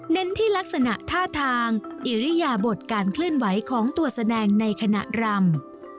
ที่ลักษณะท่าทางอิริยาบทการเคลื่อนไหวของตัวแสดงในขณะรำ